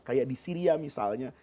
kayak di syria misalnya